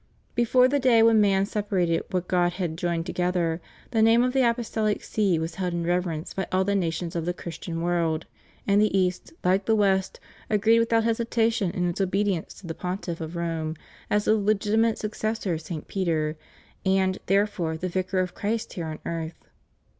Before the day when man separated what God had joined together, the name of the ApostoHc See was held in reverence by all the nations of the Christian world : and the East, hke the West, agreed without hesitation in its obedience to the Pontiff of Rome, as the legitimate successor of St. Peter, and, therefore, the Vicar of Christ here on earth.